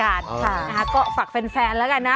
ค่ะนะคะก็ฝากแฟนแล้วกันนะ